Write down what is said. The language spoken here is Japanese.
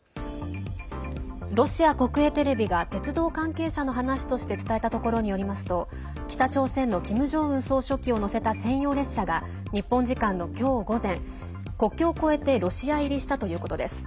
ロシア国営テレビが鉄道関係者の話として伝えたところによりますと北朝鮮のキム・ジョンウン総書記を乗せた専用列車が日本時間の今日午前国境を越えてロシア入りしたということです。